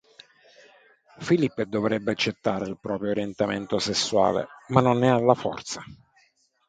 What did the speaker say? Philipp dovrebbe accettare il proprio orientamento sessuale, ma non ne ha la forza.